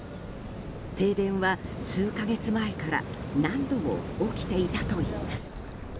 停電は数か月前から何度も起きていたといいます。